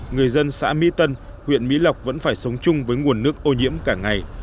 người dân xã mỹ tân huyện mỹ lộc vẫn phải sống chung với nguồn nước ô nhiễm cả ngày